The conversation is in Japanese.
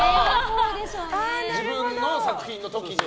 自分の作品の時に。